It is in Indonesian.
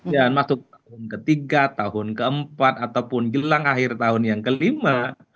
masuk tahun ketiga tahun keempat ataupun jelang akhir tahun yang kelima